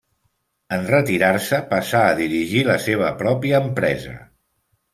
En retirar-se passà a dirigir la seva pròpia empresa.